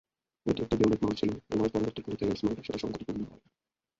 এটি একটি bayonet Mount ছিল, এবং পরবর্তী কোনিকা লেন্স মাউন্টের সাথে সঙ্গতিপূর্ণ নয়।